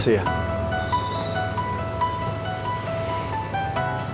terima kasih ya